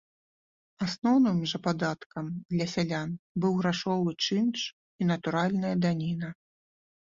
Асноўным жа падаткам для сялян быў грашовы чынш і натуральная даніна.